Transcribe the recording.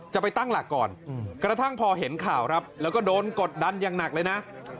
จะไปตั้งหลักก่อนกระทั่งพอเห็นข่าวครับแล้วก็โดนกดดันอย่างหนักเลยนะ